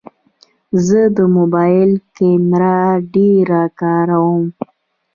زه د موبایل کیمره ډېره کاروم.